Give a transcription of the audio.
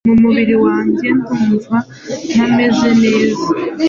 mu mubiri wanjye ndumva ntameze neza